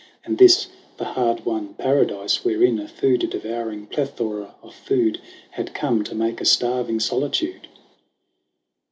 And this the hard won paradise, wherein A food devouring plethora of food Had come to make a starving solitude!